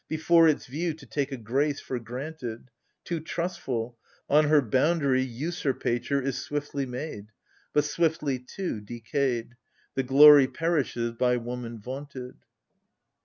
Before its view to take a grace for granted : Too tnistful, — on her boundary, usurpature Is swiftly made ; AGAMEMNON. 41 But swiftly, too, decayed, The glory perishes by woman vaunted.